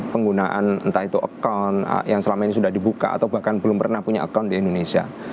penggunaan entah itu account yang selama ini sudah dibuka atau bahkan belum pernah punya account di indonesia